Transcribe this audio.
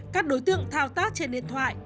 các đối tượng thao tác trên điện thoại